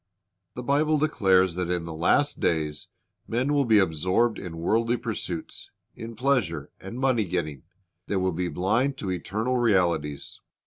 The Bible declares that in the last days men will be absorbed in worldly pursuits, in pleasure and money getting. They will be blind to eternal realities.